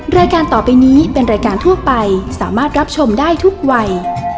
รายการต่อไปนี้เป็นรายการทั่วไปสามารถรับชมได้ทุกวัย